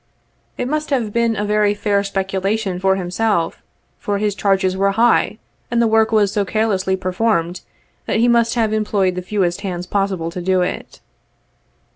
It must have been a very fair specu lation for him, for his charges were high, and the work was so carelessly performed, that he must have employed the fewest hands possible to do it.